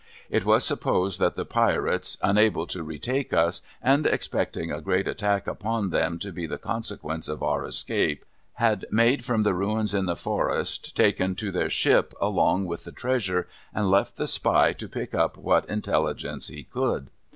It was supposed that the Pirates, unable to retake us, and expecting a great attack upon them to be the consequence of our escape, had made from the ruins in the Forest, taken to their ship along with the Treasure, and left the Spy to pick up what intelligence he could.